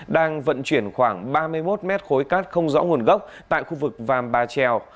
đang vận chuyển khoảng ba mươi một mét khối cát không rõ nguồn gốc tại khu vực vàm bà trèo